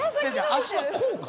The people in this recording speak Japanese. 足はこうか？